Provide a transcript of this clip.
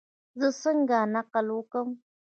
زه څنګه نقل وکم؟